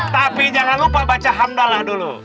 tapi jangan lupa baca handallah dulu